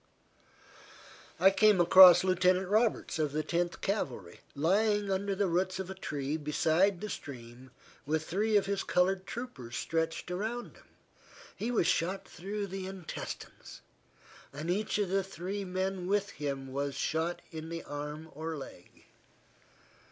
I came across Lieutenant Roberts, of the Tenth Cavalry, lying under the roots of a tree beside the stream with three of his colored troopers stretched around him. He was shot through the intestines, and each of the three men with him was shot in the arm or leg.